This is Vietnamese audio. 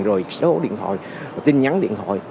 rồi số điện thoại tin nhắn điện thoại